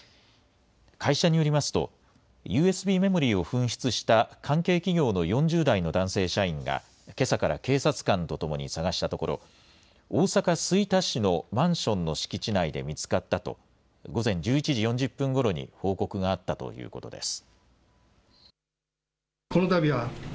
会社によりますと、ＵＳＢメモリーを紛失した関係企業の４０代の男性社員がけさから警察官とともに探したところ、大阪・吹田市のマンションの敷地内で見つかったと、午前１１時４０分ごろに報告があったということです。